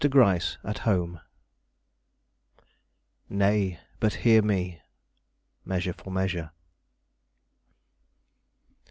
GRYCE AT HOME "Nay, but hear me." Measure for Measure.